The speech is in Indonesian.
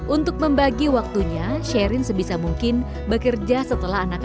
untuk membagi waktunya sherin sebisa mungkin bekerja setelah anak anak